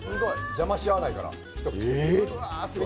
邪魔し合わないから。